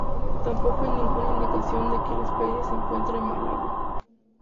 Tampoco hay ninguna indicación de que la especie se encuentra en Malaui.